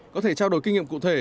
có thể trao đổi kinh nghiệm cụ thể